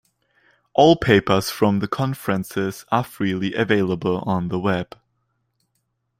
All papers from the conferences are freely available on the web.